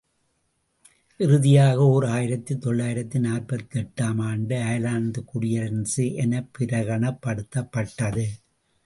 இறுதியாக ஓர் ஆயிரத்து தொள்ளாயிரத்து நாற்பத்தெட்டு ஆம் ஆண்டு அயர்லாந்துக் குடியரசு என பிரகடனப்படுத்தப் பட்டது.